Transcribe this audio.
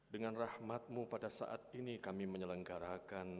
dengan rahmatmu pada saat ini kami menyelenggarakan